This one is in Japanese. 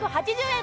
８００円！